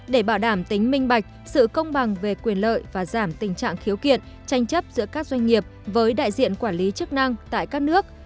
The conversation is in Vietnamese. để bảo đảm tính minh bạch sự công bằng về quyền lợi và giảm tình trạng khiếu kiện tranh chấp giữa các doanh nghiệp với đại diện quản lý chức năng tại các nước